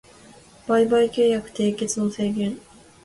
売買契約締結の制限